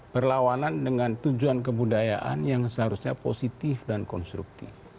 berlawanan dengan tujuan kebudayaan yang seharusnya positif dan konstruktif